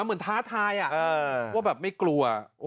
เหมือนท้าทายว่าแบบไม่กลัว